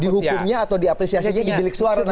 dihukumnya atau diapresiasinya dibelik suara nanti